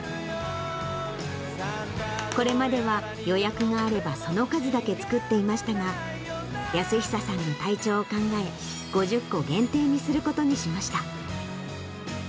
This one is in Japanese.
これまでは予約があれば、その数だけ作っていましたが、泰久さんの体調を考え、５０個限定にすることにしました。